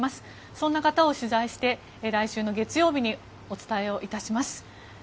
そんな方を取材して来週の月曜日にお伝えをいたします。